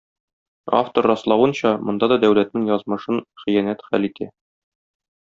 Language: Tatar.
Автор раславынча, монда да дәүләтнең язмышын хыянәт хәл итә.